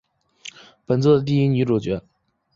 本作的第一女主角。